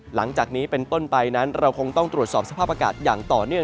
หลังจากนี้เป็นต้นไปนั้นเราคงต้องตรวจสอบสภาพอากาศอย่างต่อเนื่อง